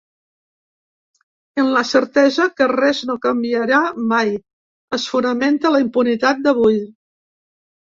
En la certesa que ‘res no canviarà mai’ es fonamenta la impunitat d’avui.